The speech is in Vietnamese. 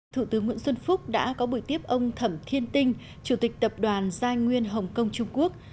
thủ tướng nguyễn xuân phúc đã có buổi tiếp ông thẩm thiên tinh chủ tịch tập đoàn giai nguyên hồng kông trung quốc